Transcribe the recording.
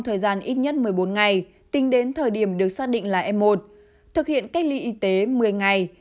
thời gian ít nhất một mươi bốn ngày tính đến thời điểm được xác định là f một thực hiện cách ly y tế một mươi ngày